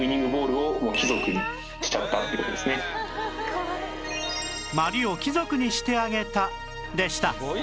鞠を貴族にしてあげたでした